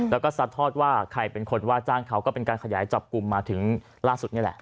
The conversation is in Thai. แล้วก็ซัดทอดว่าใครเป็นคนว่าจ้างเขาก็เป็นการขยายจับกลุ่มมาถึงล่าสุดนี่แหละ